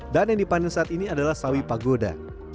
dan yang dipanen saat ini adalah sawi pagoda